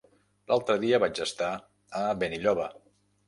L'altre dia vaig estar a Benilloba.